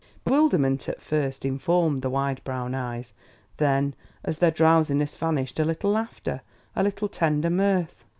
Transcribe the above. Bewilderment at first informed the wide brown eyes; then, as their drowsiness vanished, a little laughter, a little tender mirth.